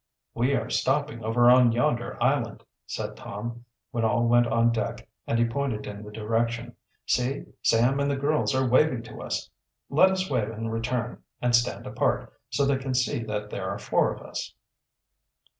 "We are stopping over on yonder island," said Tom, when all went on deck, and he pointed in the direction. "See, Sam and the girls are waving to us. Let us wave in return, and stand apart, so they can see that there are four of us."